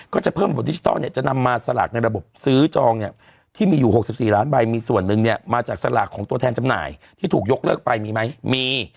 ก็จะเพิ่มระบบดิจิทัลเนี่ยจะนำมาสลากในระบบซื้อจองเนี่ยที่มีอยู่๖๔ล้านใบมีส่วนหนึ่งเนี่ยมาจากสลากของตัวแทนจำหน่ายที่ถูกยกเลิกไปมีไหมมี